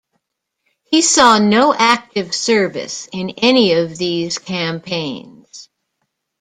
He saw no active service in any of these campaigns.